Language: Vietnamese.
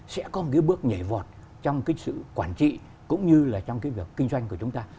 sẽ có một cái bước nhảy vọt trong cái sự quản trị cũng như là trong cái việc kinh doanh của chúng ta